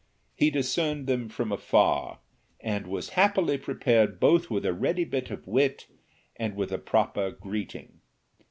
He discerned them from afar, and was happily prepared both with a ready bit of wit and with a proper greeting.